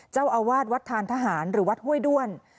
เจ้าอาวาสวัดทานทหารหรือวัดห้วยด้วน